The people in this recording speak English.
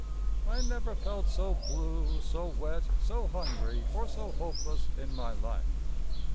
I never felt so blue, so wet, so hungry, or so hopeless in my life.